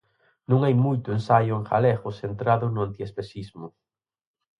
Non hai moito ensaio en galego centrado no antiespecismo.